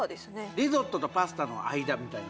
リゾットとパスタの間みたいな